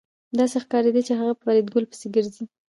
داسې ښکارېده چې هغه په فریدګل پسې ګرځي